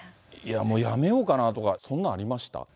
もう辞めようかなとか、そんなんありました？